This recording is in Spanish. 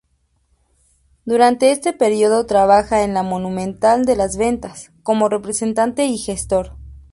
Durante este período trabaja en la Monumental de las Ventas como representante y gestor.